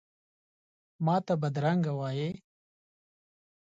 ماته بدرنګه وایې،